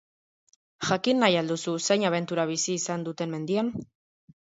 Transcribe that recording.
Jakin nahi al duzu zein abentura bizi izan duten mendian?